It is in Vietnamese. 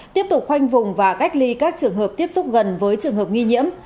tiếp tục khoanh vùng và cách ly các trường hợp tiếp xúc gần với trường hợp nghi nhiễm